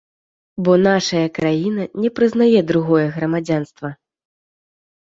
Бо нашая краіна не прызнае другое грамадзянства.